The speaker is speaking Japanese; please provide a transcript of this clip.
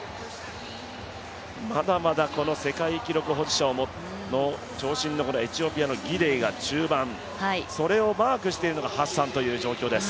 まだまだこの世界記録保持者の長身のエチオピアのギデイが中盤、それをマークしているのがハッサンという状況です。